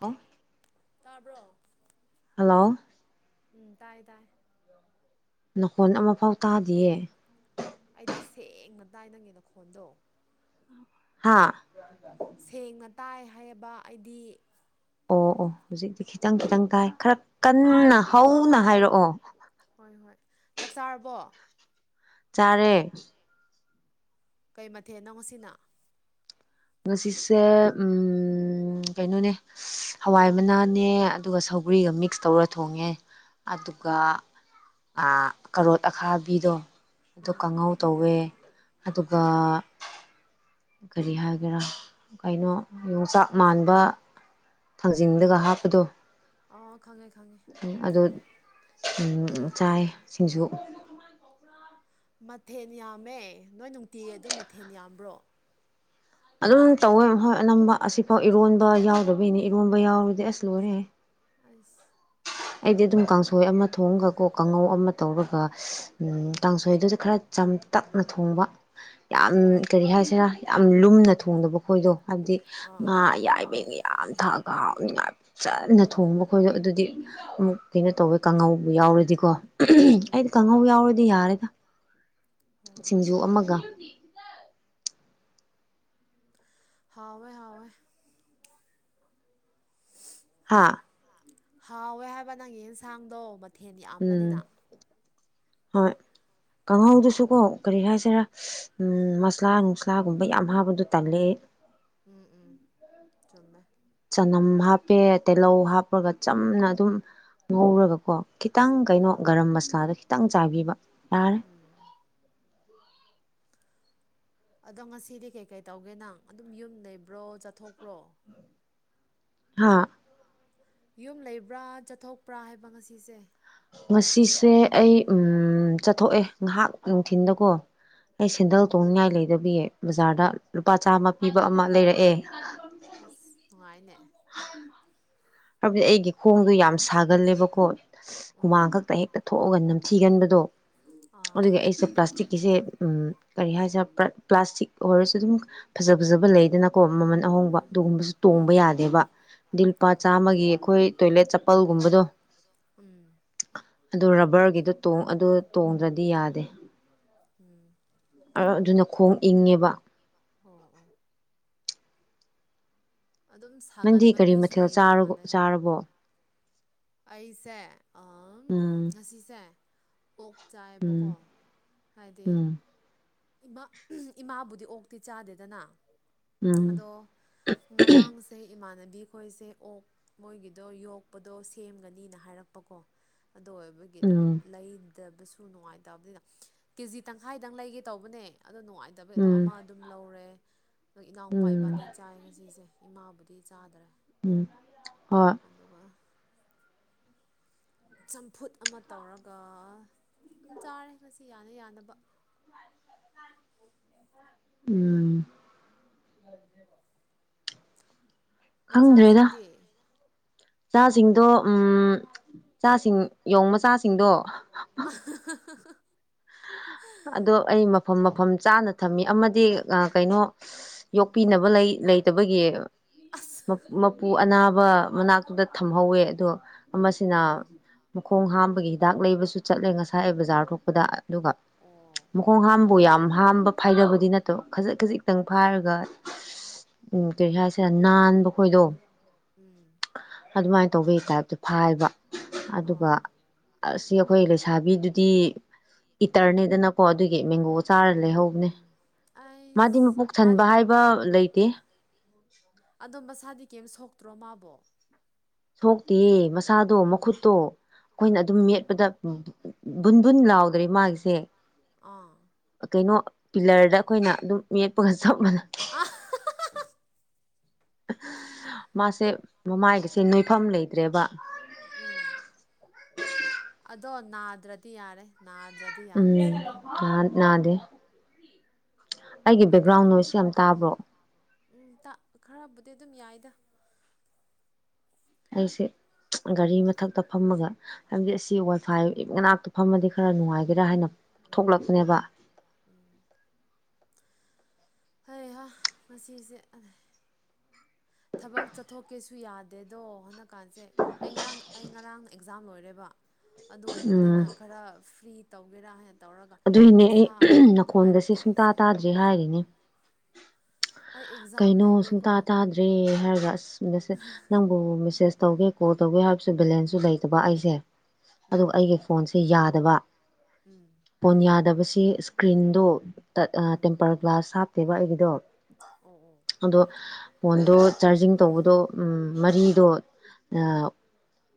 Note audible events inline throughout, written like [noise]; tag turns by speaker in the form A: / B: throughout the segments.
A: ꯍ
B: ꯇꯥꯕ꯭ꯔꯣ
A: ꯍꯜꯂꯣ
B: ꯎꯝ ꯇꯥꯏ ꯇꯥꯏ
A: ꯅꯀꯣꯟ ꯑꯃꯐꯥꯎ ꯇꯥꯗꯤꯌꯦ
B: ꯑꯩꯗꯤ ꯁꯦꯡꯅ ꯇꯥꯏ ꯅꯪꯒꯤꯦꯅ ꯈꯣꯟꯗꯣ
A: ꯍꯥꯥ
B: ꯁꯦꯡꯅ ꯇꯥꯏ ꯍꯥꯏꯕ ꯑꯩꯗꯤ
A: ꯑꯣ ꯑꯣ ꯍꯧꯖꯤꯛꯇꯤ ꯈꯤꯇꯪ ꯈꯤꯇꯪ ꯇꯥꯏ ꯈꯔ ꯀꯟꯅ ꯍꯧꯅ ꯍꯥꯏꯔꯛꯑꯣ
B: ꯍꯣꯏ ꯍꯣꯏ ꯆꯥꯛ ꯆꯥꯔꯕꯣ
A: ꯆꯔꯦ
B: ꯀꯩ ꯃꯊꯦ ꯅꯪꯁꯤꯅ
A: ꯉꯁꯤꯁꯦ ꯎ ꯀꯩꯅꯣꯅꯦ ꯍꯋꯥꯏ ꯃꯅꯥꯅꯦ ꯑꯗꯨꯒ ꯁꯧꯒ꯭ꯔꯤꯒ ꯃꯤꯛꯁ ꯇꯧꯔ ꯊꯣꯡꯉꯦ ꯑꯗꯨꯒ ꯑꯥ ꯀꯔꯣꯠ ꯑꯈꯥꯕꯤꯗꯣ ꯑꯗꯨ
B: ꯎꯝ
A: ꯀꯥꯡꯍꯧ ꯇꯧꯋꯦ ꯑꯗꯨꯒ ꯀꯔꯤ ꯍꯥꯏꯒꯦꯔꯥ ꯀꯩꯅꯣ ꯌꯣꯡꯆꯥꯛ
B: ꯆꯥꯛ ꯃꯥꯟꯕ
A: ꯊꯥꯡꯖꯤꯡꯗꯒ ꯍꯥꯞꯄꯗꯣ
B: ꯑꯣ ꯈꯪꯉꯦ ꯈꯪꯉꯦ
A: ꯎꯝ ꯑꯗꯨꯠ ꯎꯝ ꯆꯥꯏꯌꯦ ꯁꯤꯡꯖꯨ
B: ꯃꯊꯦꯟ ꯌꯥꯝꯃꯦ ꯅꯣꯏ ꯅꯨꯡꯇꯤꯒꯤ ꯑꯗꯨꯝ ꯃꯊꯦꯟ ꯌꯥꯝꯕ꯭ꯔꯣ
A: ꯑꯗꯨꯝ ꯇꯧꯋꯦ ꯍꯣꯏ ꯑꯅꯝꯕ ꯑꯁꯤꯐꯥꯎ ꯏꯔꯣꯟꯕ ꯌꯥꯎꯗꯕꯩꯅꯦ ꯏꯔꯣꯟꯕ ꯌꯥꯎꯔꯗꯤ ꯑꯁ ꯂꯣꯏꯔꯦ
B: ꯑꯁ
A: ꯑꯩꯗꯤ ꯑꯗꯨꯝ ꯀꯥꯡꯁꯣꯏ ꯑꯃ ꯊꯣꯡꯉꯒꯀꯣ ꯀꯥꯡꯉꯧ ꯑꯃ ꯇꯧꯔꯒ ꯎꯝ ꯀꯥꯡꯁꯣꯏꯗꯨꯗ ꯈꯔ ꯆꯝꯇꯛꯅ ꯊꯣꯡꯕ ꯌꯥꯝ
B: ꯎꯝ
A: ꯀꯔꯤ ꯍꯥꯏꯁꯤꯔꯥ ꯌꯥꯝ ꯂꯨꯝꯅ ꯊꯣꯡꯗꯕ ꯈꯣꯏꯗꯣ ꯍꯥꯏꯕꯗꯤ
B: ꯑꯥ
A: ꯉꯥ ꯑꯌꯥꯏꯕꯩ ꯌꯥꯝ ꯊꯛꯑꯒ ꯍꯥꯎꯅꯤꯡꯉꯥꯏ ꯆꯖꯅ ꯊꯣꯡꯕꯈꯣꯏꯗꯣ ꯑꯗꯨꯗꯤ ꯑꯃꯨꯛ ꯀꯩꯅꯣ ꯇꯧꯋꯦ ꯀꯥꯡꯉꯧꯕ ꯌꯥꯎꯔꯗꯤ ꯀꯣ
B: ꯎꯝ
A: ꯑꯩꯗꯤ ꯀꯥꯡꯍꯧ ꯌꯥꯎꯔꯗꯤ ꯌꯥꯔꯦꯗ
B: ꯍꯣꯏ ꯍꯣꯏ
A: ꯁꯤꯡꯖꯨ ꯑꯃꯒ
B: ꯍꯥꯎꯋꯦ ꯍꯥꯎꯋꯦ
A: ꯍꯥꯥ
B: ꯍꯥꯎꯋꯦ ꯍꯥꯏꯕ ꯅꯪꯒꯤ ꯑꯦꯟꯁꯥꯡꯗꯣ ꯃꯠ
A: ꯎꯝ ꯍꯣꯏ ꯀꯥꯡꯍꯧꯗꯨꯁꯨ ꯀꯣ ꯀꯔꯤ ꯍꯥꯏꯁꯤꯔꯥ ꯎꯝ ꯃꯁꯂꯥ ꯅꯨꯡꯁꯂꯥꯒꯨꯝꯕ ꯌꯥꯝ ꯍꯥꯞꯕꯗꯨ ꯇꯜꯂꯦ ꯑꯩ
B: ꯎꯝ ꯎꯝ ꯆꯨꯝꯃꯦ
A: ꯆꯅꯝ ꯍꯥꯞꯄꯦ ꯇꯤꯍꯧ ꯍꯥꯞꯄꯒ ꯆꯝꯅ ꯑꯗꯨꯝ ꯉꯧꯔꯒꯀꯣ ꯈꯤꯇꯪ
B: ꯍꯣꯏ
A: ꯀꯩꯅꯣ
B: ꯍꯣꯏ
A: ꯒꯔꯝ ꯃꯁꯥꯂꯥꯗ ꯈꯤꯇꯪ ꯆꯥꯏꯕꯤꯕ ꯌꯥꯔꯦ
B: ꯎꯝ ꯑꯗꯣ ꯉꯁꯤꯗꯤ ꯀꯩꯀꯩ ꯇꯧꯒꯦ ꯅꯪ ꯑꯗꯨꯝ ꯌꯨꯝ ꯂꯩꯕ꯭ꯔꯣ ꯆꯠꯊꯣꯛꯄ꯭ꯔꯣ
A: ꯍꯥꯥ
B: ꯌꯨꯝ ꯂꯩꯕ꯭ꯔꯥ ꯆꯠꯊꯣꯛꯄ꯭ꯔꯥ ꯍꯥꯏꯕ ꯉꯁꯤꯁꯦ
A: ꯉꯁꯤꯁꯦ ꯑꯩ ꯎꯝ ꯆꯠꯊꯣꯛꯑꯦ ꯉꯥꯏꯍꯥꯛ ꯅꯨꯡꯊꯤꯟꯗꯀꯣ ꯑꯩ
B: ꯎꯝ
A: ꯁꯦꯟꯗꯜ
B: ꯑꯁ
A: ꯇꯣꯡꯅꯤꯡꯉꯥꯏ ꯂꯩꯗꯕꯤꯌꯦ ꯕꯖꯥꯔꯗ ꯂꯨꯄꯥ ꯆꯥꯝꯃ ꯄꯤꯕ ꯑꯃ ꯂꯩꯔꯛꯑꯦ
B: ꯑꯁ ꯅꯨꯡꯉꯥꯏꯅꯦ
A: [unintelligible] [unintelligible] ꯒꯤ ꯈꯣꯡꯗꯣ ꯌꯥꯝ ꯁꯥꯒꯜꯂꯦꯕꯀꯣ
B: ꯎꯝ
A: ꯍꯨꯃꯥꯡ ꯈꯛꯇ ꯍꯦꯛꯇ ꯊꯣꯛꯑꯒ ꯅꯝꯊꯤꯒꯟꯕꯗꯣ
B: ꯑꯥ
A: ꯑꯗꯨꯒꯤ ꯑꯩꯁꯦ ꯄ꯭ꯂꯥꯁꯇꯤꯛꯀꯤꯁꯦ ꯎꯝ ꯀꯔꯤ ꯍꯥꯏꯁꯤꯔꯥ ꯄ꯭ꯂꯥꯁꯇꯤꯛ ꯑꯣꯏꯔꯁꯨ ꯑꯗꯨꯝ ꯐꯖ ꯐꯖꯕ ꯂꯩꯗꯅꯀꯣ ꯃꯃꯜ ꯑꯍꯣꯡꯕ ꯑꯗꯨꯒꯨꯝꯕꯁꯨ ꯇꯣꯡꯕ ꯌꯥꯗꯦꯕ ꯗꯤ ꯂꯨꯄꯥ
B: ꯑꯣ ꯂꯨꯄꯥ
A: ꯆꯥꯝꯃꯒꯤ ꯑꯩꯈꯣꯏ
B: ꯆꯥꯝꯃꯒꯤ
A: ꯇꯣꯏꯂꯦꯠ
B: ꯑꯩꯈꯣꯏ ꯇꯣꯏꯂꯦꯠ
A: ꯆꯄꯜꯒꯨꯝꯕꯗꯣ
B: ꯆꯄꯜꯒꯨꯝꯕꯗꯣ ꯎꯝ
A: ꯑꯗꯨ ꯔꯕꯔꯒꯤꯗꯣ ꯇꯣꯡ ꯑꯗꯨ ꯇꯣꯡꯗ꯭ꯔꯗꯤ ꯌꯥꯗꯦ
B: ꯎꯝ
A: ꯑ ꯑꯗꯨꯅ ꯈꯣꯡ ꯏꯪꯉꯦꯕ
B: ꯑꯣ ꯑꯣ ꯑꯗꯨꯝ
A: ꯅꯪꯗꯤ
B: ꯁꯥꯒꯟꯕ
A: ꯀꯔꯤ
B: ꯃꯤꯁꯨ
A: ꯃꯊꯦꯜ
B: ꯂꯩ
A: ꯆꯥꯔꯕꯣ
B: ꯃꯥꯜꯂꯦꯗ
A: ꯆꯥꯔꯕꯣ
B: ꯑꯩꯁꯦ ꯑꯝ
A: ꯎꯝ
B: ꯉꯁꯤꯁꯦ ꯑꯣꯛ
A: ꯎꯝ
B: ꯆꯥꯏꯕꯀꯣ ꯍꯥꯏꯗꯤ
A: ꯎꯝ
B: ꯏꯃꯥ ꯏꯃꯥꯕꯨꯗꯤ ꯑꯣꯛꯇꯤ ꯆꯥꯗꯦꯗꯅ
A: ꯎꯝ
B: ꯑꯗꯣ ꯉꯔꯥꯡꯁꯦ ꯏꯃꯥꯟꯅꯕꯤ ꯈꯣꯏꯁꯦ ꯑꯣꯛ ꯃꯣꯏꯒꯤꯗꯣ ꯌꯣꯛꯄꯗꯣ ꯁꯦꯝꯒꯅꯤꯅ ꯍꯥꯏꯔꯛꯄꯀꯣ ꯑꯗꯨ ꯑꯣꯏꯕꯒꯤ ꯑꯗꯨꯝ
A: ꯎꯝ
B: ꯂꯩꯗꯕꯁꯨ ꯅꯨꯡꯉꯥꯏꯇꯕꯅꯤꯅ ꯀꯦꯖꯤ ꯇꯪꯈꯥꯏꯗꯪ ꯂꯩꯒꯦ ꯇꯧꯕꯅꯦ ꯑꯗꯣ ꯅꯨꯡꯉꯥꯏꯇꯕꯩ ꯑꯗꯨ
A: ꯎꯝ
B: ꯑꯃ ꯑꯗꯨꯝ ꯂꯧꯔꯦ ꯑꯗꯨꯒ ꯏꯅꯥꯎꯄꯥ
A: ꯎꯝ
B: ꯏꯕꯥꯅꯤ ꯆꯥꯏꯔꯦ ꯉꯁꯤꯁꯦ ꯏꯃꯥꯕꯨꯗꯤ ꯆꯥꯗ꯭ꯔꯦ
A: ꯎꯝ ꯍꯣꯏ
B: ꯑꯗꯨꯒ ꯆꯝꯐꯨꯠ ꯑꯃ ꯇꯧꯔꯒ ꯑꯗꯨꯝ ꯆꯥꯔꯦ ꯉꯁꯤ ꯌꯥꯅ ꯌꯥꯅꯕ
A: ꯎꯝ [unintelligible]
B: ꯅꯆꯥꯁꯤꯡꯗꯤ
A: ꯏꯆꯥꯁꯤꯡꯗꯣ ꯎꯝ ꯏꯆꯥꯁꯤꯡ ꯌꯣꯡ ꯃꯆꯥꯁꯤꯡꯗꯣ
B: [unintelligible]
A: ꯑꯗꯣ ꯑꯩ ꯃꯐꯝ ꯃꯐꯝ ꯆꯥꯅ ꯊꯝꯃꯤ ꯑꯃꯗꯤ ꯑꯥ ꯀꯩꯅꯣ ꯌꯣꯛꯄꯤꯅꯕ ꯂꯩ ꯂꯩꯇꯕꯒꯤ
B: ꯑꯁ
A: ꯃ ꯃꯄꯨ ꯑꯅꯥꯕ ꯃꯅꯥꯛꯇꯨꯗ ꯊꯝꯍꯧꯋꯦ ꯑꯗꯣ ꯑꯃꯁꯤꯅ
B: ꯑꯥ
A: ꯃꯈꯣꯡ ꯍꯥꯝꯕꯒꯤ ꯍꯤꯗꯥꯛ ꯂꯩꯕꯁꯨ ꯆꯠꯂꯦ ꯉꯁꯥꯏ ꯑꯩ ꯕꯖꯥꯔ ꯊꯣꯛꯄꯗ ꯑꯗꯨꯒ
B: ꯑꯣ
A: ꯃꯈꯣꯡ ꯍꯥꯝꯕꯨ ꯌꯥꯝ ꯍꯥꯝꯕ ꯐꯥꯏꯗꯕꯗꯤ ꯅꯠꯇꯕ ꯈꯖꯤꯛ ꯈꯖꯤꯛ ꯈꯤꯇꯪ ꯐꯥꯏꯔꯒ ꯎꯝ ꯀꯔꯤ ꯍꯥꯏꯁꯤꯔꯥ ꯅꯥꯟꯕ ꯈꯣꯏꯗꯣ
B: ꯎꯝ
A: ꯑꯗꯨꯃꯥꯏꯅ ꯇꯧꯕꯩ ꯇꯥꯏꯞꯇ ꯐꯥꯏꯕ ꯑꯗꯨꯒ
B: ꯑꯣ
A: ꯑꯁꯤ ꯑꯩꯈꯣꯏ ꯂꯩꯁꯥꯕꯤꯗꯨꯗꯤ ꯏꯇꯔꯅꯦꯗꯅꯀꯣ ꯑꯗꯨꯒꯤ ꯃꯦꯡꯒꯣ ꯆꯥꯔ
B: [unintelligible] ꯎꯝ
A: ꯂꯩꯍꯧꯕꯅꯦ
B: ꯎꯝ
A: ꯃꯥꯗꯤ
B: ꯑꯩꯁ
A: ꯃꯄꯨꯛ
B: ꯃꯥꯗꯤ
A: ꯊꯟꯕ ꯍꯥꯏꯕ ꯂꯩꯇꯦ
B: [unintelligible] ꯑꯗꯣ ꯃꯁꯥꯗꯤ ꯀꯩꯝ ꯁꯣꯛꯇ꯭ꯔꯣ ꯃꯥꯕꯣ
A: ꯁꯣꯛꯇꯦꯌ‌ꯦ ꯃꯁꯥꯗꯣ ꯃꯈꯨꯠꯇꯣ ꯑꯩꯈꯣꯏꯅ ꯑꯗꯨꯝ
B: ꯎꯝ
A: ꯃꯦꯠꯄꯗ ꯕꯨꯟ ꯕꯨꯟ ꯂꯥꯎꯗ꯭ꯔꯦ ꯃꯥꯒꯤꯁꯦ
B: ꯑꯥ
A: ꯀꯩꯅꯣ ꯄꯤꯂꯔꯗ ꯑꯩꯈꯣꯏꯅ ꯑꯗꯨꯝ ꯃ‌ꯦꯠꯄꯒ ꯆꯞ ꯃꯥꯟꯅꯩ
B: [unintelligible]
A: ꯃꯥꯁꯦ ꯃꯃꯥꯏꯒꯁꯦ ꯅꯣꯏꯐꯝ ꯂꯩꯇ꯭ꯔꯦꯕ
B: ꯎꯝ ꯑꯗꯣ ꯅꯥꯗ꯭ꯔꯗꯤ ꯌꯥꯔꯦ ꯅꯥꯗ꯭ꯔ
A: ꯎꯝ ꯅꯥ ꯅꯥꯗꯦ ꯑꯩꯒꯤ
B: ꯑꯗꯣ
A: ꯕꯦꯛꯒ꯭ꯔꯥꯎꯟ
B: [unintelligible]
A: ꯅꯣꯏꯁꯁꯦ ꯌꯥꯝ ꯇꯥꯕ꯭ꯔꯣ
B: ꯎꯝ ꯈꯔꯕꯨꯗꯤ ꯑꯗꯨꯝ ꯌꯥꯏꯗ
A: ꯑꯩꯁꯦ ꯒꯥꯔꯤ ꯃꯊꯛꯇ ꯐꯝꯃꯒ ꯍꯥꯏꯕꯗꯤ ꯑꯁꯤ ꯋꯥꯏꯐꯥꯏ ꯃꯅꯥꯛꯇ ꯐꯝꯃꯗꯤ ꯈꯔ ꯅꯨꯡꯉꯥꯏꯒꯦꯔꯥ ꯍꯥꯏꯅ ꯊꯣꯛꯂꯛꯄꯅꯦꯕ
B: ꯎꯝ ꯍꯩꯍꯥ ꯉꯁꯤꯖ‌ꯦ [unintelligible] ꯊꯕꯛ ꯆꯠꯊꯣꯛꯀꯦꯁꯨ ꯌꯥꯗꯦꯗꯣ ꯍꯟꯗꯛꯀꯥꯟꯁꯦ ꯑꯩ ꯉꯔꯥꯡ ꯑꯩ ꯉꯔꯥꯡꯅ ꯑꯦꯛ ꯑꯦꯛꯖꯥꯝ ꯂꯣꯏꯔꯦꯕ ꯑꯗꯨ ꯑꯣꯏꯕꯅꯤꯅ
A: ꯎꯝ
B: ꯈꯔ ꯐ꯭ꯔꯤ ꯇꯧꯒꯦꯔꯥ ꯍꯥꯏ ꯇꯧꯔꯒ
A: ꯑꯗꯨꯏꯅꯦ
B: ꯏꯁꯥ ꯑꯃꯨꯛ ꯅꯨꯡꯉꯥꯏꯔꯛꯇꯦ ꯑꯩꯁꯦ
A: ꯍꯧꯖꯤꯛ ꯍꯥꯏꯔꯤꯅꯤ
B: ꯑꯩ ꯑꯦꯛꯖꯥꯝ
A: ꯀꯩꯅꯣ ꯁꯨꯡꯇꯥ
B: ꯂꯩꯕꯩꯀꯣ
A: ꯇꯥꯗ꯭ꯔꯦ ꯍꯥꯏꯔꯒ ꯑꯁꯁ ꯅꯪꯕꯨ ꯃꯦꯁꯦꯁ ꯇꯧꯒꯦ ꯀꯣꯜ ꯇꯧꯒꯦ ꯍꯥꯏꯕꯁꯨ ꯕꯦꯂꯦꯟꯁꯁꯨ ꯂꯩꯇꯕ ꯑꯩꯁꯦ ꯑꯗꯨꯒ
B: ꯎꯝ
A: ꯑꯩꯒꯤ ꯐꯣꯟꯁꯦ ꯌꯥꯗꯕ
B: ꯎꯝ
A: ꯐꯣꯟ ꯌꯥꯗꯕꯁꯤ ꯏꯁꯀ꯭ꯔꯤꯟꯗꯣ ꯇ
B: ꯎꯝ
A: ꯇꯦꯝꯄꯔ ꯒ꯭ꯂꯥꯁ ꯍꯥꯞꯇꯦꯕ ꯑꯩꯒꯤꯗꯣ
B: ꯑꯣ ꯑꯣ
A: ꯑꯗꯣ ꯐꯣꯟꯗꯣ ꯆꯥꯔꯖꯤꯡ ꯇꯧꯕꯗꯣ ꯎꯝ ꯃꯔꯤꯗꯣ ꯑꯥ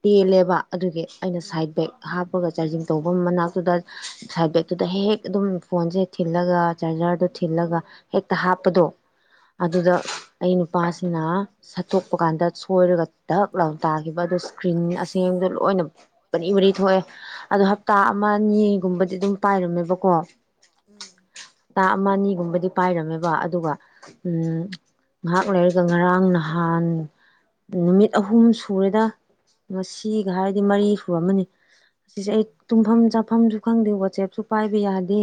A: ꯇ‌ꯣꯜꯂꯦꯕ ꯑꯗꯨꯒꯤ ꯑꯩꯅ ꯁꯥꯏꯠ ꯕꯦꯛ ꯍꯥꯞꯄꯒ ꯆꯥꯔꯖꯤꯡ ꯇꯧꯕ ꯃꯅꯥꯛꯇꯨꯗ ꯁꯥꯏꯠ ꯕꯦꯛꯇꯨꯗ ꯍꯦꯛ ꯍꯦꯛ ꯑꯗꯨꯝ ꯐꯣꯟꯁꯦ ꯊꯤꯜꯂꯒ ꯆꯥꯔꯖꯔꯗꯣ ꯊꯤꯜꯂꯒ ꯍꯦꯛꯇ ꯍꯥꯞꯄꯗꯣ
B: ꯎꯝ
A: ꯑꯗꯨꯗ ꯑꯩ ꯅꯨꯄꯥꯁꯤꯅ ꯁꯠꯇꯣꯛꯄ ꯀꯥꯟꯗ ꯁꯣꯏꯔꯒ ꯗꯛ ꯂꯥꯎ ꯇꯥꯈꯤꯕ ꯑꯗꯨ ꯏꯁꯀ꯭ꯔꯤꯟ ꯑꯁꯦꯡꯕꯗ‌ꯣ ꯂꯣꯏꯅ ꯃꯔꯤ ꯃꯔꯤ ꯊꯣꯛꯑꯦ ꯑꯗꯣ ꯍꯞꯇꯥ ꯑꯃ ꯑꯅꯤꯒꯨꯝꯕ ꯗꯤꯗꯨꯝ ꯄꯥꯏꯔꯝꯃꯦꯕꯀꯣ
B: ꯎꯝ
A: ꯍꯥꯞꯇꯥ ꯑꯃ ꯑꯅꯤꯒꯨꯝꯕꯗꯤ ꯄꯥꯏꯔꯝꯃꯦꯕ ꯑꯗꯨꯒ ꯎꯝ ꯉꯥꯍꯥꯛ ꯂꯩꯔꯒ ꯉꯔꯥꯡ ꯅꯍꯥꯟ ꯅꯨꯃꯤꯠ ꯑꯍꯨꯝ ꯁꯨꯔꯦꯗ ꯉꯁꯤꯒ ꯍꯥꯏꯔꯗꯤ ꯃꯔꯤ ꯁꯨꯔꯝꯃꯅꯤ ꯑꯁꯤꯁꯦ ꯑꯩ
B: ꯎꯝ
A: ꯇꯨꯝꯐꯝ ꯆꯥꯐꯝꯁꯨ ꯈꯪꯗꯦ ꯋꯥꯆꯦꯞꯁꯨ ꯄꯥꯏꯕ ꯌꯥꯗꯦ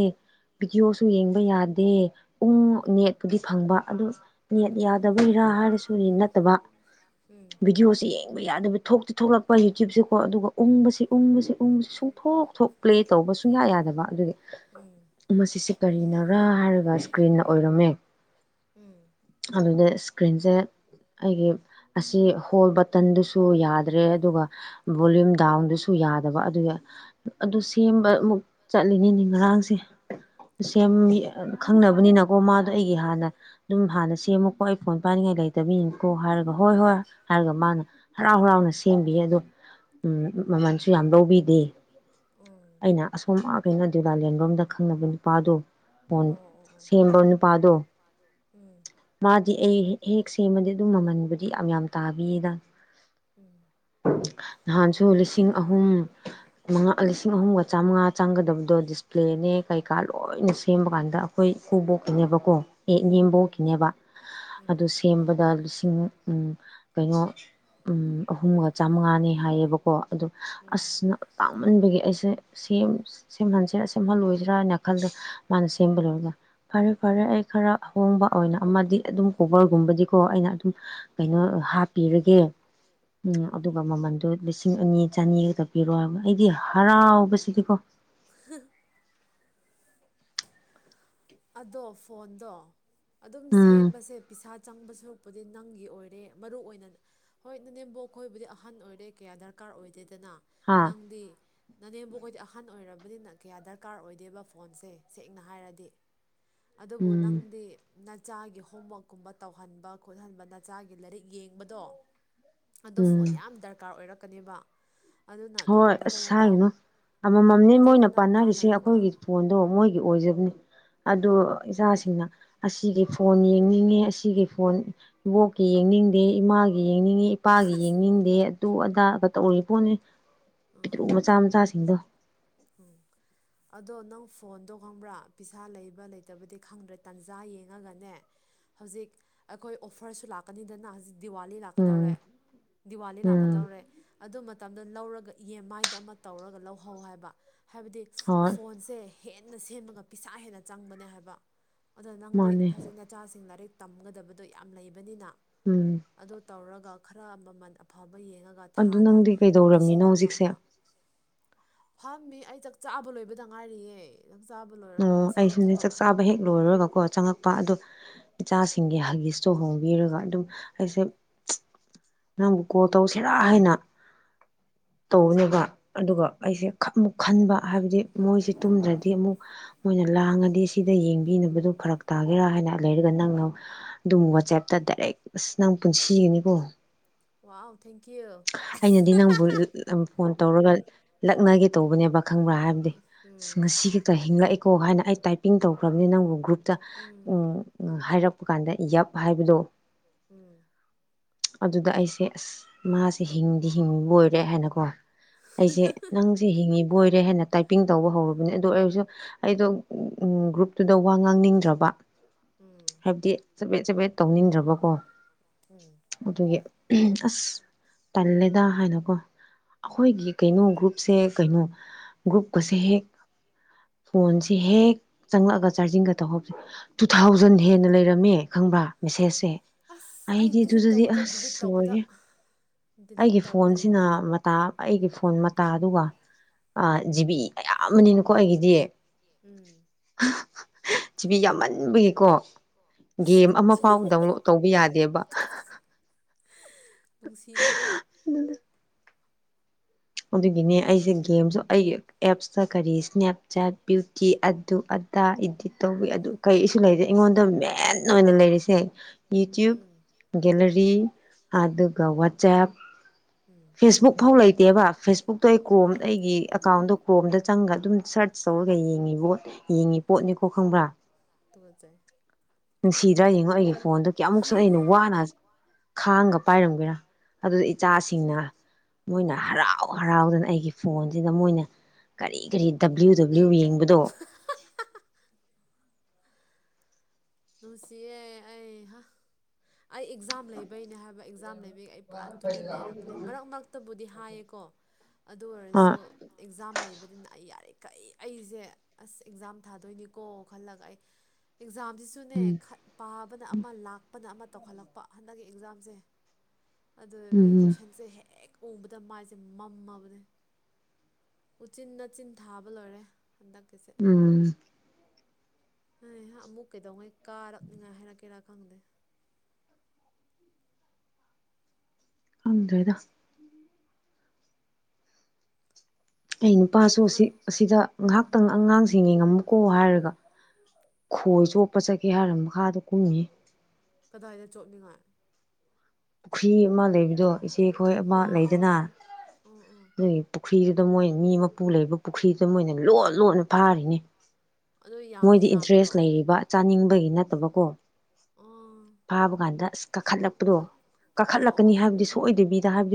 A: ꯚꯤꯗꯤꯑꯣꯁꯨ ꯌꯦꯡꯕ ꯌꯥꯗꯦ ꯎꯪ
B: ꯎꯝ
A: ꯅꯦꯠꯄꯨꯗꯤ ꯐꯪꯕ ꯑꯗꯨ ꯅꯦꯠ ꯌꯥꯗꯕꯩꯔꯥ ꯍꯥꯏꯔꯁꯨꯅꯤ ꯅꯠꯇꯕ
B: ꯎꯝ
A: ꯕꯤꯗꯤꯑꯣꯁꯦꯌꯦ ꯇꯧꯕ ꯌꯥꯗꯕ ꯊꯣꯛꯇꯤ ꯊꯣꯛꯂꯛꯄ ꯌꯨꯇ꯭ꯌꯨꯨꯞꯁꯦꯀꯣ ꯑꯗꯨꯒ ꯎꯪꯕꯁꯤ ꯎꯪꯕꯁꯤ ꯎꯕꯁꯤ ꯁꯨꯡꯊꯣꯛ ꯊꯣꯛ ꯇꯔꯦ ꯇꯧꯕꯁꯨꯨꯡ ꯌꯥ ꯌꯥꯗꯕ ꯑꯗꯨꯒꯤ
B: ꯎꯝ
A: ꯃꯁꯤꯁꯤ ꯀꯔꯤꯅꯔꯥ ꯍꯥꯏꯔꯒ ꯏꯁꯀ꯭ꯔꯤꯟꯅ ꯑꯣꯏꯔꯝꯃꯦ
B: ꯎꯝ
A: ꯑꯗꯨꯅꯦ ꯑꯁ ꯏꯁꯀ꯭ꯔꯤꯟꯖꯩ ꯑꯩꯒꯤ ꯑꯁꯤ ꯍꯣꯜ ꯕꯇꯟꯗꯨꯁꯨ ꯌꯥꯗ꯭ꯔꯦ ꯑꯗꯨꯒ ꯚꯣꯂ꯭ꯌꯨꯝ ꯗꯥꯎꯟꯗꯨꯁꯨ ꯌꯥꯗꯕ ꯑꯗꯨꯒ ꯑꯗꯨ ꯁꯦꯝꯕ ꯑꯃꯨꯛ ꯆꯠꯂꯤꯅꯤꯅꯦ ꯉꯔꯥꯡꯁꯦ ꯁꯦꯝꯃꯤ
B: ꯑꯣ
A: ꯈꯪꯅꯕꯅꯤꯅꯀꯣ ꯃꯥꯗꯣ ꯑꯩꯒꯤ ꯍꯥꯟꯅ ꯑꯗꯨꯝ ꯍꯥꯟꯅ ꯁꯦꯝꯃꯨꯀꯣ ꯑꯩ ꯐꯣꯟ ꯄꯥꯏꯅꯤꯡꯉꯥꯏ ꯂꯩ ꯇꯕꯤꯅꯤꯀꯣ ꯍꯥꯏꯔꯒ ꯍꯣꯏ ꯍꯣꯏ ꯍꯥꯏꯔꯒ ꯃꯥꯅ ꯍꯔꯥꯎ ꯍꯔꯥꯎꯅ ꯁꯦꯝꯕꯤ ꯑꯗꯣ ꯎꯝ ꯃꯃꯜꯁꯨ ꯌꯥꯝ ꯂꯧꯕꯤꯗꯦ
B: ꯎꯝ
A: ꯑꯩꯅ ꯑꯁꯣꯝ ꯑꯥ ꯀꯩꯅꫭ ꯗꯨꯂꯥꯂꯦꯟꯕꯝꯗ ꯈꯪꯅꯕ ꯅꯨꯄꯥꯗꯣ ꯐꫭꯟ
B: ꯑꯣ ꯑꯣ ꯑꯣ
A: ꯁꯦꯝꯕ ꯅꯨꯄꯥꯗꯣ
B: ꯎꯝ
A: ꯃꯥꯗꯤ ꯑꯩ ꯍꯦꯛ ꯁꯦꯝꯃꯗꯤ ꯑꯗꯨꯝ ꯃꯃꯟꯕꯨꯗꯤ ꯌꯥꯝ ꯌꯥꯝ ꯇꯥꯕꯤꯗ
B: ꯎꯝ
A: ꯅꯍꯥꯟꯁꯨ ꯂꯤꯁꯤꯡ ꯑꯍꯨꯝ ꯃꯪꯉꯥ ꯂꯤꯁꯤꯡ ꯄꯨꯟꯅ ꯑꯍꯨꯝꯒ ꯆꯝꯃꯉꯥ ꯆꯪꯒꯗꯕꯗꯣ ꯗꯤꯁꯄ꯭ꯂꯦꯅꯦ ꯀꯩꯀꯥ ꯂꯣꯏꯅ ꯁꯦꯝꯕ ꯀꯥꯟꯗ ꯑꯩꯈꯣꯏ ꯈꯨꯕꯣꯛꯀꯤꯅꯦꯕꯀꯣ ꯑꯦ ꯅꯦꯝꯕꯣꯛꯀꯤꯅꯦꯕ
B: ꯎꯝ
A: ꯁꯦꯝꯕꯗ ꯂꯤꯁꯤꯡ ꯎꯝ ꯀꯩꯅꯣ ꯎꯝ ꯑꯍꯨꯝꯒ ꯆꯝꯉꯥꯅꯤ ꯍꯥꯏꯌꯦꯕꯀꯣ ꯑꯗꯨ
B: ꯎꯝ
A: ꯑꯁ ꯇꯥꯡꯃꯟꯕꯒꯤ ꯑꯩꯁꯦ ꯖꯦ ꯁꯦꯝ ꯁꯦꯝꯍꯟꯁꯤꯔꯥ ꯁꯦꯝꯍꯜꯂꯣꯏꯁꯤꯔꯥꯅ ꯍꯥꯏꯅ ꯈꯜꯂ ꯃꯥꯅ ꯁꯦꯝꯕ ꯂꯣꯏꯔꯒ ꯐꯔꯦ ꯐꯔꯦ ꯑꯩ ꯈꯔ ꯍꯣꯡꯕ ꯑꯣꯏꯅ ꯑꯃꯗꯤ ꯑꯗꯨꯝ ꯀꯣꯕꯔꯒꯨꯝꯕꯗꯤꯀꯣ ꯑꯩꯅ ꯑꯗꯨꯝ ꯀꯩꯅꯣ ꯍꯥꯞꯄꯤꯕꯒꯤ ꯎꯝ ꯑꯗꯨꯒ ꯃꯃꯟꯗꯣ ꯂꯤꯁꯤꯡ ꯑꯅꯤ ꯆꯅꯤꯒ ꯄꯤꯔꯣꯕ ꯑꯩꯗꯤ ꯍꯥꯔ
B: ꯍꯔꯥꯎꯕꯁꯤꯗꯤꯀꫭ ꯑꯗꯣ ꯐꯣꯟꯗꯣ ꯑꯗꯨꯝ
A: ꯎꯝ
B: ꯁꯦꯝꯕꯁꯦ ꯄꯤꯁꯥ ꯆꯪꯕ ꯁꯔꯛꯄꯨꯗꯤ ꯅꯪꯒꯤ ꯑꯣꯏꯔꯦ ꯃꯔꯨ ꯑꯣꯏꯅ ꯍꯣꯏ ꯅꯅꯦꯝꯕꫭꯛ ꯈꯣꯏꯕꯨꯗꯤ ꯑꯍꯟ ꯑꯣꯏꯔꯦ ꯀꯌꯥ ꯗꯔꯀꯥꯔ ꯑꯣꯏꯗꯦꯗꯅ
A: ꯍꯥ
B: ꯅꯪꯗꯤ ꯅꯅꯦꯝꯕꫭꯛ ꯈꯣꯏꯗꯤ ꯑꯍꯟ ꯑꯣꯏꯔꯕꯅꯤꯅ ꯀꯌꯥ ꯗꯔꯀꯥꯔ ꯑꯣꯏꯗꯦꯕ ꯐꯣꯟꯁꯦ ꯁꯦꯡꯅ ꯍꯥꯏꯔꯗꯤ ꯑꯗꯨꯕꯨ
A: ꯎꯝ
B: ꯅꯪꯗꯤ ꯅꯆꯥꯒꯤ ꯍꯣꯝꯋꯥꯛꯀꯨꯝꯕ ꯇꯧꯍꯟꯕ ꯈꯣꯠꯍꯟꯕ ꯅꯆꯥꯒꯤ ꯂꯥꯏꯔꯤꯛ ꯌꯦꯡꯕꯗꯣ ꯑꯗꯣ
A: ꯎꯝ
B: ꯐꯣꯟ ꯌꯥꯝ ꯗꯔꯀꯥꯔ ꯑꯣꯏꯔꯛꯀꯅꯦꯕ ꯑꯗꯨꯅ ꯑꯗꯨꯝ
A: ꯍꯣꯏ
B: ꯅꯇꯩ
A: ꯑꯁ
B: ꯅꯅꯥꯎ
A: ꯍꯥꯏꯒꯨꯝꯅꯨ ꯑꯃꯃꯝꯅꯤ
B: ꯅꯇꯩ
A: ꯃꯣꯏꯅ
B: ꯅꯅꯥꯎ
A: ꯄꯥꯟꯅꯔꯤꯁꯦ
B: ꯇꯥꯟꯅꯔꯒ
A: ꯑꯩꯈꯣꯏꯒꯤ ꯐꯣꯟ ꯑꯗꯣ ꯃꯣꯏꯒꯤ ꯑꯣꯏꯖꯕꯅꯤ ꯑꯗꯣ
B: ꯎꯝ
A: ꯏꯆꯥꯁꯤꯡꯅ ꯑꯁꯤꯒꯤ ꯐꯣꯟ ꯌꯦꯡꯅꯤꯡꯉꯦ ꯑꯁꯤꯒꯤ ꯐꯣꯟ ꯏꯕꯣꯛꯀꯤ
B: ꯑꯩ
A: ꯌꯦꯡꯅꯤꯡꯗꯦ ꯏꯃꯥꯒꯤ ꯌꯦꯡꯅꯤꯡꯉꯦ ꯏꯄꯥꯒꯤ
B: ꯑꯁ
A: ꯌꯦꯡꯅꯤꯡꯗꯦ ꯑꯗꯨ ꯑꯗꯥ ꯀ ꯇꯧꯔꯤ ꯄꯣꯠꯅꯤ ꯄꯤꯇ꯭ꯔꯨ
B: ꯎꯝ
A: ꯃꯆꯥ ꯃꯆꯥꯁꯤꯡꯗꯣ
B: ꯎꯝ ꯑꯗꯣ ꯅꯪ ꯐꯣꯟꯗꯣ ꯈꯪꯕ꯭ꯔꯥ ꯄꯩꯁꯥ ꯂꯩꯕ ꯂꯩꯇꯕꯗꯤ ꯈꯪꯗ꯭ꯔꯦ ꯇꯥꯟꯖꯥ ꯌꯦꯡꯉꯒꯅꯦ ꯍꯧꯖꯤꯛ ꯑꯩꯈꯣꯏ ꯑꯣꯐꯔꯁꯨ ꯂꯥꯛꯀꯅꯤꯗꯅ ꯍꯧꯖꯤꯛ ꯗꯤꯋꯥꯂꯤ ꯂꯥꯛꯀꯗꯧꯔꯦ
A: ꯎꯝ
B: ꯗꯤꯋꯥꯂꯤ
A: ꯎꯝ
B: ꯂꯥꯛꯀꯗꯧꯔꯦ ꯑꯗꯨ ꯃꯇꯝꯗ ꯂꯧꯔꯒ ꯏ ꯃꯥꯏꯗ ꯑꯃ ꯇꯧꯔꯒ ꯂꯧꯍꯧ ꯍꯥꯏꯕ ꯍꯥꯏꯕꯗꯤ
A: ꯍꯣꯏ
B: ꯐꫭꯟꯁꯦ ꯍꯦꯟꯅ ꯁꯦꯝꯃꯒꯄꯤꯁꯥ ꯍꯦꯟꯅ ꯆꯪꯕꯅꯦ ꯍꯥꯏꯕ ꯑꯗꯨ
A: ꯃꯥꯅꯦ
B: ꯅꯪꯗꯤꯊꯥꯖꯤꯟ ꯃꯆꯥꯁꯤꯡ ꯂꯥꯏꯔꯤꯛ ꯇꯝꯒꯗꯕꯗꯣ ꯌꯥꯝ ꯂꯩꯕꯅꯤꯅ
A: ꯎꯝ
B: ꯑꯗꯨ ꯇꯧꯔꯒ ꯈꯔ ꯃꯃꯜ ꯑꯐꯕ ꯌꯦꯡꯉꯒ
A: ꯑꯗꯨ
B: ꯊꯥꯗ
A: ꯅꯪꯗꯤ
B: ꯂꯤꯁꯤꯡ
A: ꯀꯩꯗꯧꯔꯝꯃꯤꯅꯣ
B: ꯑꯃ
A: ꯍꯧꯖꯤꯛꯁꯦ
B: ꯑꯃ ꯐꯥꯝꯃꯤ ꯑꯩ ꯆꯥꯛ ꯆꯥꯕ ꯂꯣꯏꯕꯗ ꯉꯥꯏꯔꯤꯌꯦ ꯆꯥꯛ ꯆꯥꯕ ꯂꯣꯏꯔꯒ ꯉꯁꯤꯗꯤ ꯊꯕꯛ ꯈꯔ ꯀꯣꯝꯃꯦ
A: ꯀꯀꯣ ꯆꯪꯉꯛ ꯅꯨꯄꯥ ꯑꯗꯨ ꯏꯆꯥꯁꯤꯡꯒꯤ ꯍꯒꯤꯁꯇꯣ ꯍꯣꯡꯕꯤꯔꯒ ꯑꯗꯨꯝ ꯑꯩꯁꯦ ꯅꯪꯕꯨ ꯀꯣꯜ ꯇꯧꯁꯤꯔꯥ ꯍꯥꯏꯅ ꯇꯧꯅꯦꯕ ꯑꯗꯨꯒ ꯑꯩꯁꯦ ꯑꯃꯨꯛ ꯈꯟꯕ ꯍꯥꯏꯕꯗꯤ ꯃꯣꯏꯁꯦ ꯇꯨꯝꯗ꯭ꯔꯗꯤ ꯑꯃꯨꯛ ꯃꯣꯏꯅ ꯂꯥꯡꯉꯗꯤ ꯁꯤꯗ ꯌꯦꯡꯕꯤꯅꯕꯗꯨ ꯐꯔꯛ ꯇꯥꯒꯦꯔꯥ ꯍꯥꯏꯅ ꯂꯩꯔꯒ ꯅꯪꯅ ꯑꯗꯨꯝ ꯋꯥꯆꯦꯞꯇ ꯗꯥꯏꯔꯦꯛ ꯑꯁ ꯅꯪ ꯄꯨꯟꯁꯤꯒꯅꯤꯀꯣ
B: ꯋꯥꯎ ꯊꯦꯡꯀ꯭ꯌꯨ ꯀꯥꯁ
A: ꯑꯩꯅꯗꯤ ꯅꯪꯕꯨ
B: [unintelligible]
A: ꯐꯣꯟ ꯇꯧꯔꯒ ꯂꯛꯅꯒꯦ ꯇꯧꯕꯅꯦꯕ ꯈꯪꯕ꯭ꯔꯥ ꯍꯥꯏꯕꯗꯤ ꯑꯁ
B: ꯎꯝ
A: ꯉꯁꯤ ꯀꯍꯤꯡꯂꯛꯏ ꯀꯣ ꯍꯥꯏꯅ ꯑꯩ ꯇꯥꯏꯄꯤꯡ ꯇꯧꯈ꯭ꯔꯕꯅꯤ ꯅꯪꯕꯨ ꯒ꯭ꯔꯨꯞꯇ ꯎ
B: ꯎꯝ
A: ꯍꯥꯏꯔꯛꯄ ꯀꯥꯟꯗ ꯌꯞ ꯍꯥꯏꯕꯗꯣ
B: ꯎꯝ
A: ꯑꯗꯨꯗ ꯑꯩꯁꯦ ꯑꯁ ꯃꯥꯁꯦ ꯍꯤꯡꯗꯤ ꯍꯤꯡꯕ ꯑꯣꯏꯔꯦ ꯔꯦ ꯍꯥꯏꯅꯀꯣ ꯑꯩꯁꯦ ꯅꯪꯁꯦ ꯍꯤꯡꯉꯤꯕ ꯕꯣꯏꯔꯦ ꯍꯦꯟꯅ ꯇꯥꯏꯄꯤꯡ ꯇꯧꯕ ꯍꯧꯔꯕꯅꯤ ꯑꯗꯨ ꯑꯣꯏꯔꯁꯨ ꯑꯩꯗꯣ ꯒ꯭ꯔꯨꯞ ꯇꯨꯗ ꯋꯥ ꯉꯥꯡꯅꯤꯡꯗ꯭ꯔꯕ
B: ꯎꯝ
A: ꯍꯥꯏꯕꯗꯤ ꯆꯕꯦꯠ ꯆꯕꯦꯠ ꯇꯧꯅꯤꯡꯗ꯭ꯔꯕꯀꯣ
B: ꯎꯝ
A: ꯑꯗꯨꯒꯤ ꯑꯁ ꯇꯜꯂꯦꯗ ꯍꯥꯏꯅꯀꯣ
B: ꯎꯝ
A: ꯑꯩꯈꯣꯏꯒꯤ ꯀꯩꯅꯣ ꯒ꯭ꯔꯨꯞꯁꯦ ꯀꯩꯅꯣ ꯒ꯭ꯔꯨꯞꯀꯁꯦ ꯍꯦꯛ ꯐꯣꯟꯁꯤ ꯍꯦꯛ ꯆꯪꯂꯛꯑꯒ ꯆꯥꯔꯖꯤꯡꯒ ꯇꯧꯍꯧꯕꯁꯦ ꯇꯨ ꯊꯥꯎꯖꯟ ꯖꯟ ꯍꯦꯟꯅ ꯂꯩꯔꯝꯃꯦ ꯈꯪꯕ꯭ꯔꯥ ꯃꯦꯁꯦꯁꯁꯦ
B: ꯑꯁ ꯑꯩ
A: ꯑꯩꯗꯤ
B: ꯗꯤꯂꯤꯠ
A: ꯑꯗꯨꯗꯗꯤ
B: ꯇꯧꯕꯗ ꯗꯤꯂꯤꯠ
A: ꯑꯁ
B: ꯇꯧꯕꯗ
A: ꯂꯣꯏꯔꯦ
B: ꯗꯤꯂꯤꯠ
A: ꯑꯩꯒꯤ
B: ꯇꯧꯕꯗ
A: ꯐꯣꯟꯁꯤꯅ ꯃꯇꯥ ꯑꯩꯒꯤ ꯐꯣꯟ ꯃꯇꯥ ꯑꯗꯨꯒ ꯑ ꯖꯤꯕꯤ ꯑꯌꯥꯝꯕꯅꯤꯅꯀꯣ ꯑꯩꯒꯤꯗꯤ
B: ꯎꯝ ꯖꯤ
A: ꯖꯤꯕꯤ
B: ꯕꯤ
A: ꯌꯥꯝꯃꯟꯕꯒꯤꯀꯣ
B: ꯌꯥꯝꯃꯟꯕꯒꯤꯀꯣ ꯑꯁ
A: ꯒꯦꯝ ꯑꯃ ꯐꯥꯎ
B: ꯇꯨꯒꯠꯆꯩꯌꯦ
A: ꯗꯥꯎꯟꯂꯣꯗ ꯇꯧꯕ ꯌꯥꯗꯦꯕ
B: [unintelligible] ꯅꯨꯡꯁꯤꯃꯜꯂꯦ
A: ꯑꯗꯨꯒꯤꯅꯦ ꯑꯩꯁꯦ ꯒꯦꯝꯁꯨ ꯑꯩꯒꯤ ꯑꯦꯞꯁꯇ ꯀꯔꯤ ꯏꯁꯅꯦꯞꯆꯦꯠ ꯕ꯭ꯌꯨꯇꯤ ꯑꯗꯨ ꯑꯗꯥ ꯏꯗꯤꯠ ꯇꯧꯋꯤ ꯑꯗꯨ ꯀ ꯂꯩꯁꯦ ꯑꯩꯉꯣꯟꯗ ꯃꯦꯟ ꯑꯣꯏꯅ ꯂꯩꯔꯤꯁꯦ ꯌꯨꯇ꯭ꯌꯨꯕ
B: ꯎꯝ
A: ꯒꯦꯂꯔꯤ ꯑꯗꯨꯒ ꯋꯥꯆꯦꯞ
B: [inaudible]
A: ꯐꯦꯁꯕꯨꯛ ꯐꯥꯎ ꯂꯩꯇꯦꯕ ꯐꯦꯁꯕꯨꯛꯇꯣ ꯑꯩ ꯀ꯭ꯔꯣꯝ ꯑꯩꯒꯤ ꯑꯦꯀꯥꯎꯟꯗꯣ ꯀ꯭ꯔꯣꯝꯗ ꯆꯪꯉꯒ ꯑꯗꯨꯝ ꯁꯔꯆ ꯁꯧꯔꯒ ꯌꯦꯡꯉꯤꯕꯣ ꯌꯦꯡꯉꯤ ꯄꯣꯠꯅꯤꯀꯣ ꯈꯪꯕ꯭ꯔꯥ
B: ꯇꯨꯒꯠꯆꯩ
A: ꯅꯨꯡꯁꯤꯗ꯭ꯔꯥ ꯌꯦꯡꯉꯣ ꯑꯩꯒꯤ ꯐꯣꯟꯗꯣ ꯀꯌꯥꯃꯨꯛ ꯁꯨ ꯑꯩꯅ ꯋꯥꯅ ꯈꯥꯡꯒ ꯄꯥꯏꯔꯝꯒꯦꯔꯥ ꯑꯗꯨꯗ ꯏꯆꯥꯁꯤꯡꯅ ꯃꯣꯏꯅ ꯍꯔꯥꯎ ꯀꯣꯛ ꯍꯔꯥꯎꯗꯅ ꯑꯩꯒꯤ ꯐꯣꯟꯁꯤꯗ ꯃꯣꯏꯅ ꯀꯔꯤ ꯀꯔꯤ ꯗꯕ꯭ꯂꯤꯎ ꯗꯕ꯭ꯂꯤꯎ ꯌꯦꯡꯕꯗꯣ
B: ꯅꯨꯡꯁꯤꯌꯦ ꯑꯩ ꯍꯥ ꯑꯩ ꯑꯦꯛꯖꯥꯝ ꯂꯩꯕꯩꯅꯦ ꯍꯥꯏꯕ ꯑꯦꯛꯖꯥꯝ ꯂꯩ ꯕꯤ ꯑꯩ ꯄꯨꯔꯥ ꯇꯨꯃꯤꯟ ꯂꯩꯔꯕꯅꯦ ꯃꯔꯛ ꯃꯔꯛꯇꯕꯨꯗꯤ ꯍꯥꯏꯌꯦꯀꯣ ꯑꯗꯨ ꯑꯣꯏꯔꯁꯨ
A: ꯑꯥ
B: ꯑꯦꯛꯖꯥꯝ ꯂꯩꯕꯅꯤꯅ ꯑꯩ ꯌꯥꯔꯤꯈꯩ ꯑꯩꯖꯦ ꯑꯁ ꯑꯦꯛꯖꯥꯝ ꯊꯥꯗꯣꯏꯅꯤꯀꯣ ꯈꯜꯂꯒ ꯑꯩ ꯑꯦꯛꯖꯥꯝꯁꯤꯁꯨ ꯅꯦ ꯈꯠ ꯄꯥꯕꯅ ꯑꯃ ꯂꯥꯛꯄꯅ ꯑꯃ ꯇꯧꯈꯠꯂꯛꯄ ꯍꯟꯗꯛꯀꯤ ꯑꯦꯛꯖꯥꯝꯁꯦ ꯑꯗꯨ ꯑꯣꯏꯕꯒꯤ
A: ꯎꯝ
B: ꯀꯣꯏꯁꯟꯁꯦ ꯍꯦꯛ ꯎꯕꯗ ꯃꯥꯏꯁꯦ ꯃꯝꯃꯕꯅꯦ ꯎꯆꯤꯟꯅꯆꯤꯟ ꯊꯥꯕ ꯂꯣꯏꯔꯦ ꯍꯟꯗꯛꯀꯤꯁꯦ
A: ꯎꯝ
B: ꯍꯩꯍꯥ ꯑꯃꯨꯛ ꯀꯩꯗꯧꯉꯩ ꯀꯥꯔꯛꯅꯤꯉꯥꯏ ꯍꯥꯏꯔꯛꯀꯦꯔꯥ ꯈꯪꯗꯦ
A: ꯈꯪꯗ꯭ꯔꯦꯗ ꯑꯩ ꯅꯨꯄꯥꯁꯨ ꯑꯁꯤ ꯑꯁꯤꯗ ꯉꯥꯏꯍꯥꯛꯇꯪ ꯑꯉꯥꯡꯁꯤꯡ ꯌꯦꯡꯉꯝꯃꯨꯀꯣ ꯍꯥꯏꯔꯒ ꯈꯣꯏ ꯆꯣꯞꯄ ꯆꯠꯀꯦ ꯍꯥꯏꯔ ꯃꯈꯥꯗ ꯀꯨꯝꯒꯤꯌꯦ
B: ꯀꯗꯥꯏꯗ ꯆꯣꯠꯅꯤꯡꯉꯥꯏ
A: ꯄꯨꯈ꯭ꯔꯤ ꯑꯃ ꯂꯩꯕꯗꯣ ꯏꯆꯦ ꯈꯣꯏ ꯑꯃ
B: ꯗ꯭ꯔꯦꯁ
A: ꯂꯩꯗꯅ ꯃꯣꯏꯒꯤ ꯄꯨꯈ꯭ꯔꯤꯗꯨꯗ ꯃꯣꯏ ꯃꯤ ꯃꯄꯨ ꯂꯩꯕ ꯄꯨꯈ꯭ꯔꯤꯗ ꯃꯣꯏꯅ ꯂꯣꯠ ꯂꯣꯠꯅ ꯐꯥꯔꯤꯅꯦ ꯃꯣꯏꯗꯤ ꯏꯟꯇꯔꯦꯁ ꯂꯩꯔꯤꯕ ꯆꯥꯅꯤꯡꯕꯒꯤ ꯅꯠꯇꯕꯀꯣ
B: ꯑꯥ
A: ꯐꯥꯕ ꯀꯥꯟꯗ ꯑꯁ ꯀꯥꯈꯠꯂꯛꯄꯗꯣ
B: ꯑꯣ ꯑꯣ
A: ꯀꯥꯈꯠꯂꯛꯀꯅꯤ
B: ꯑꯣ
A: ꯍꯥꯏꯕꯗꯤ ꯁꯣꯏꯗꯕꯤꯗ ꯍꯥꯏꯕꯗꯤ